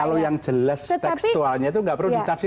kalau yang jelas tekstualnya itu nggak perlu ditaksikan lagi